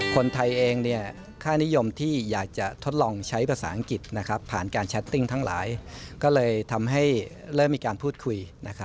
คนไทยเองค่านิยมที่อยากจะทดลองใช้ภาษาอังกฤษผ่านการแชทติ้งทั้งหลายก็เลยทำให้เริ่มมีการพูดคุย